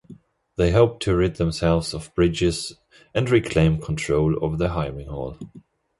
They hoped to rid themselves of Bridges and reclaim control over the hiring hall.